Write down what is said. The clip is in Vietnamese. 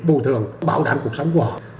bù thường bảo đảm cuộc sống của họ